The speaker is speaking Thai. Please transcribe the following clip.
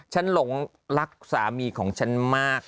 หลงรักสามีของฉันมาก